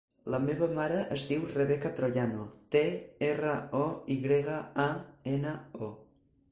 La meva mare es diu Rebeca Troyano: te, erra, o, i grega, a, ena, o.